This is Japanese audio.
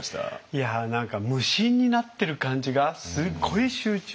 いや何か無心になってる感じがすごい集中。